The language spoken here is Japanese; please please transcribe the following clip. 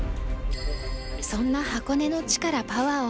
そんな箱根の地からパワーをもらい